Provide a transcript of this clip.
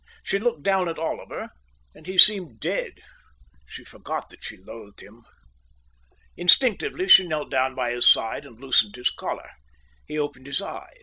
She looked down at Oliver, and he seemed to be dead. She forgot that she loathed him. Instinctively she knelt down by his side and loosened his collar. He opened his eyes.